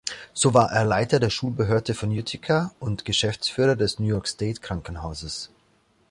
So war er Leiter der Schulbehörde von Utica und Geschäftsführer des New-York-State-Krankenhauses.